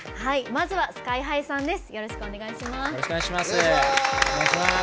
まずはＳＫＹ‐ＨＩさんです。